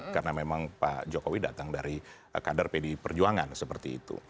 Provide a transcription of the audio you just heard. karena memang pak jokowi datang dari kader pede perjuangan seperti itu